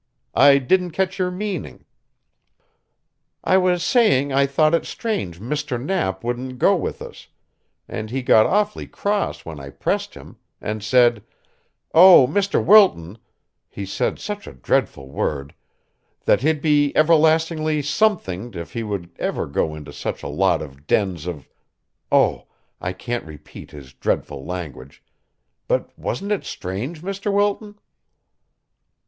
"I didn't catch your meaning." "I was saying I thought it strange Mr. Knapp wouldn't go with us, and he got awfully cross when I pressed him, and said oh, Mr. Wilton, he said such a dreadful word that he'd be everlastingly somethinged if he would ever go into such a lot of dens of oh, I can't repeat his dreadful language but wasn't it strange, Mr. Wilton?"